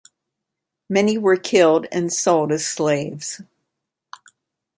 Many were killed and sold as slaves.